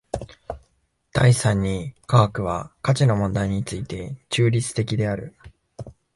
第三に科学は価値の問題について中立的である。